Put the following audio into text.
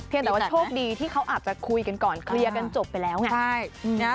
แต่ว่าโชคดีที่เขาอาจจะคุยกันก่อนเคลียร์กันจบไปแล้วไง